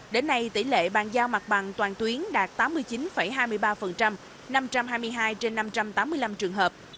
đến nay tỷ lệ bàn giao mặt bằng toàn tuyến đạt tám mươi chín hai mươi ba năm trăm hai mươi hai trên năm trăm tám mươi năm trường hợp